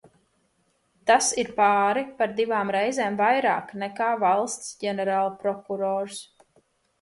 Tas ir pāri par divām reizēm vairāk nekā valsts ģenerālprokurors.